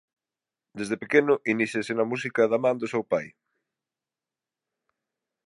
Dende pequeno iníciase na música da man do seu pai.